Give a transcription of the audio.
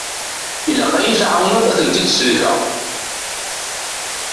Ilaq ad yi-tɛawneḍ ad tent-id-sellkeɣ.